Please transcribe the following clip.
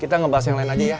kita ngebahas yang lain aja ya